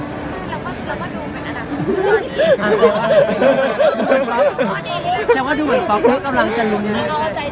มีโครงการทุกทีใช่ไหม